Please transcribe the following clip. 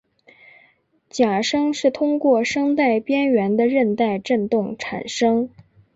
假声是通过声带边缘的韧带振动产生。